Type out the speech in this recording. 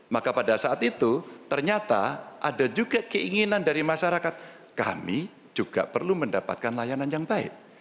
maka pada saat itu ternyata ada juga keinginan dari masyarakat kami juga perlu mendapatkan layanan yang baik